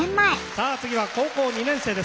さあ次は高校２年生です。